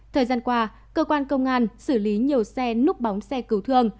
thời gian qua cơ quan công an xử lý nhiều xe núp bóng xe cứu thương